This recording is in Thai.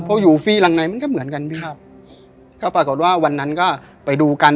พออยู่ฟี่หลังในมันก็เหมือนกันพี่ครับก็ปรากฏว่าวันนั้นก็ไปดูกัน